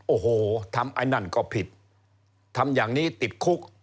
โอ้โหทำไอ้นั่นก็ผิดทำอย่างนี้ติดคุก